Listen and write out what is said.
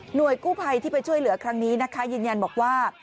กู้ภัยที่ไปช่วยเหลือครั้งนี้นะคะยืนยันบอกว่า